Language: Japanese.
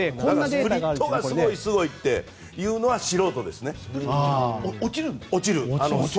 スプリットがすごいすごいと言うのは落ちるんですか？